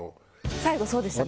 最後そうでしたね。